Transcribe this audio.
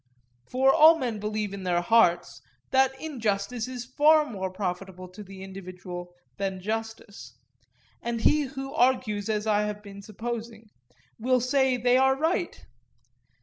For all men believe in their hearts that injustice is far more profitable to the individual than justice, and he who argues as I have been supposing, will say that they are right.